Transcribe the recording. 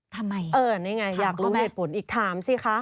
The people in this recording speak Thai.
ทำไมเออนี่ไงอยากรู้เหตุผลอีกถามสิคะ